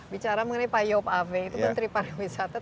bicara mengenai pak yop awe itu menteri pada wisata